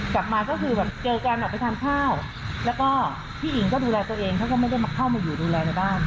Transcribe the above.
กลับมาก็คือแบบเจอกันออกไปทานข้าวแล้วก็พี่หญิงก็ดูแลตัวเองเขาก็ไม่ได้มาเข้ามาอยู่ดูแลในบ้าน